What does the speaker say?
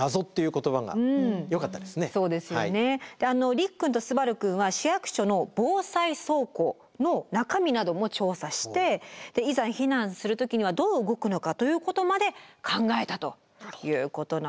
陸くんと統陽くんは市役所の防災倉庫の中身なども調査していざ避難する時にはどう動くのかということまで考えたということなんですよねヤモリン。